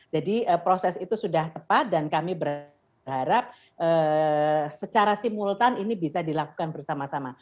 jadi proses itu sudah tepat dan kami berharap secara simultan ini bisa dilakukan bersama sama